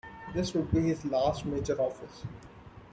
This would be his last major office.